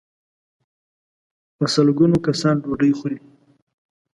په سل ګونو کسان ډوډۍ خوري.